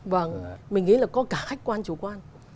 và mình nghĩ là có cả khách quan chủ quan